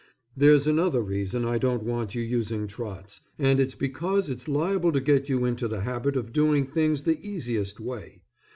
There's another reason I don't want you using "trots", and it's because it's liable to get you into the habit of doing things the easiest way.